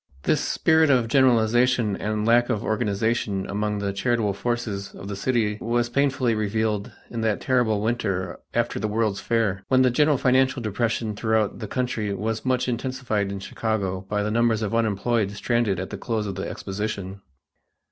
This spirit of generalization and lack of organization among the charitable forces of the city was painfully revealed in that terrible winter after the World's Fair, when the general financial depression throughout the country was much intensified in Chicago by the numbers of unemployed stranded at the close of the exposition.